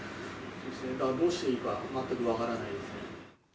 どうしていいか、全く分からないですね。